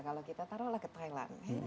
kalau kita taruh lah ke thailand